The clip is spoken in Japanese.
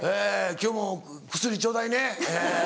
今日も薬ちょうだいね。